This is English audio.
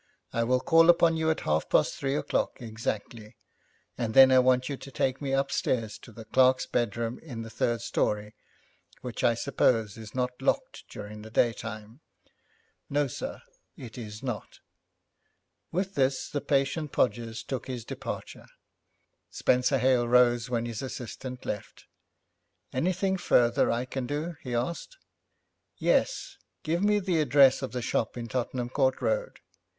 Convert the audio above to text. I will call upon you at half past three o'clock exactly, and then I want you to take me upstairs to the clerk's bedroom in the third story, which I suppose is not locked during the daytime?' 'No, sir, it is not.' With this the patient Podgers took his departure. Spenser Hale rose when his assistant left. 'Anything further I can do?' he asked. 'Yes; give me the address of the shop in Tottenham Court Road.